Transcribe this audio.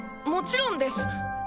もちろんです。